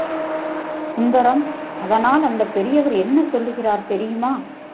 சுந்தரம் அதனால் அந்தப் பெரியவர் என்ன சொல்லுகிறார் தெரியுமா?